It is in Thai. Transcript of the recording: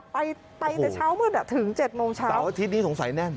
ไปแต่เช้าเมื่อนั้นถึง๗โมงเช้าแต่อาทิตย์นี้สงสัยแน่น